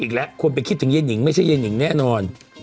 อีกแล้วควรไปคิดถึงเย็นหญิงไม่ใช่เย็นหญิงแน่นอน